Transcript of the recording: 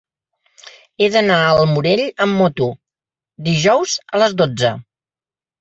He d'anar al Morell amb moto dijous a les dotze.